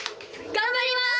頑張ります。